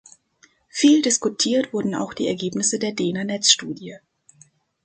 Viel diskutiert wurden auch die Ergebnisse der dena-Netzstudie.